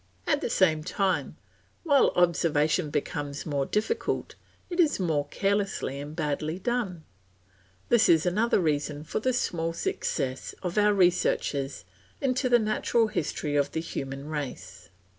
At the same time, while observation becomes more difficult, it is more carelessly and badly done; this is another reason for the small success of our researches into the natural history of the human race.